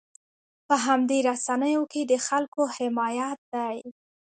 په همدې رسنیو کې د خلکو حمایت دی.